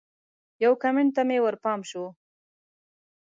یو کمنټ ته مې ورپام شو